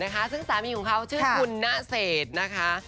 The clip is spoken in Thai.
นะคะซึ่งสามีของเขาชื่อคุณณเศษนะคะ